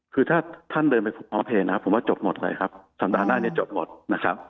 คือถ้าท่านเดินไปพร้อมเพลย์นะครับผมว่าจบหมดเลยครับสัปดาห์หน้าเนี่ยจบหมดนะครับ